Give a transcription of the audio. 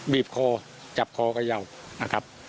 บีบคอจับคอกระแล้วนะครับ